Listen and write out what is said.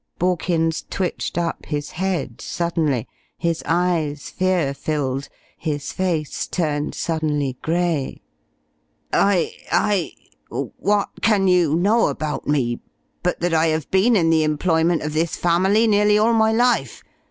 Borkins twitched up his head suddenly, his eyes fear filled, his face turned suddenly gray. "I I What can you know about me, but that I 'ave been in the employment of this family nearly all my life?"